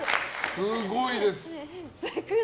すごいです。